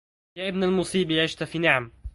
يا ابن المسيب عشت في نعم